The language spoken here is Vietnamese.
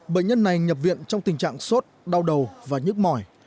bệnh nhân này nhập viện trong tình trạng sốt đau đầu và nhức mỏi